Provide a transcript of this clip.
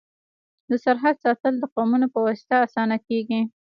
د سرحد ساتل د قومونو په واسطه اسانه کيږي.